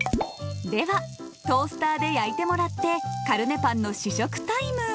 ではトースターで焼いてもらってカルネパンの試食タイム。